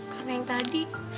karena yang tadi